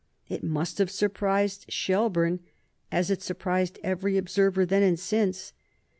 It must have surprised Shelburne, as it surprised every observer then and since.